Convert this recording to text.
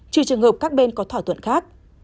trừ trường hợp các bên có thỏa thuận khác